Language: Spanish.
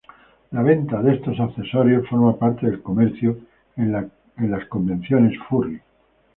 La venta de estos accesorios forma parte del comercio en las convenciones furry.